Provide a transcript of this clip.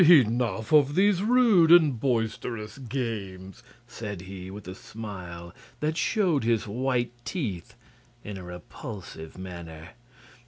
"Enough of these rude and boisterous games," said he, with a smile that showed his white teeth in a repulsive manner.